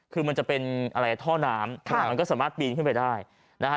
คือมันจะเป็นอะไรท่อน้ำมันก็สามารถปีนขึ้นไปได้นะฮะ